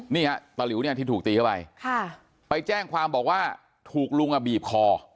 นี่ฮะตะหลิวเนี่ยที่ถูกตีเข้าไปไปแจ้งความบอกว่าถูกลุงบีบคอ